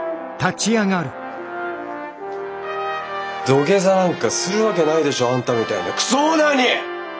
土下座なんかするわけないでしょあんたみたいなクソオーナーに！